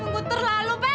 gua terlalu pak